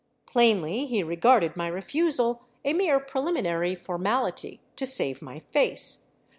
Plainly he regarded my refusal a mere preliminary formality to save my face.